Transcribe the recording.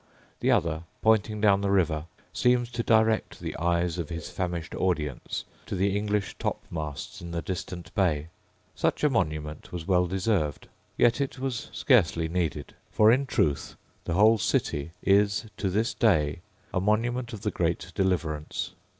The other, pointing down the river, seems to direct the eyes of his famished audience to the English topmasts in the distant bay. Such a monument was well deserved: yet it was scarcely needed: for in truth the whole city is to this day a monument of the great deliverance.